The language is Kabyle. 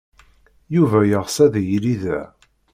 Yuba yeɣs ad yili da.